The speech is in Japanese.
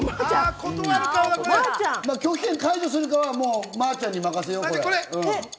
拒否解除するかは、まーちゃんに任せよう。